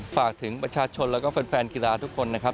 ฝากถึงประชาชนแล้วก็แฟนกีฬาทุกคนนะครับ